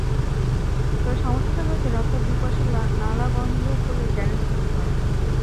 তবে সমস্যাটা হয়েছে রাস্তার দুপাশের নালা বন্ধ করে গ্যারেজ তৈরি করায়।